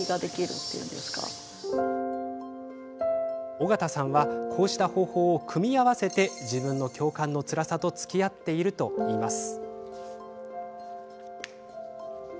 おがたさんはこうした方法を組み合わせて自分の共感のつらさとつきあっているといいます。